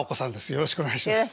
よろしくお願いします。